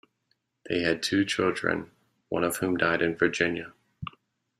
They had two children, one of whom died in Virginia.